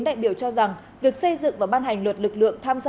đại biểu cho rằng việc xây dựng và ban hành luật lực lượng